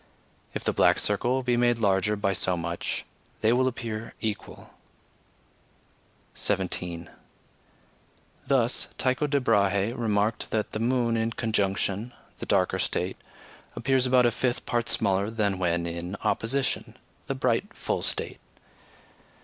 If the black circle be made larger by so much, they will appear equal. 17. Thus Tycho de Brahe remarked that the moon in conjunction (the darker state) appears about a fifth part smaller than when in opposition (the bright full state).